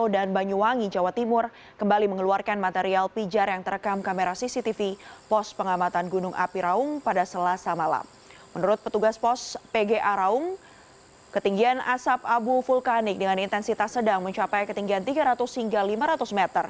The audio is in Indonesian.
dan ubahnya ataupun karena adanya dorongan mamat dari dalam